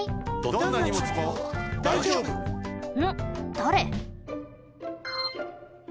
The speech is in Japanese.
だれ？